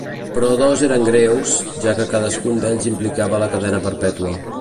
Però dos eren greus, ja que cadascun d'ells implicava la cadena perpètua.